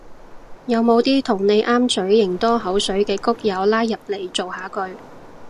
有冇啲同你啱嘴型多口水嘅谷友拉入嚟造下句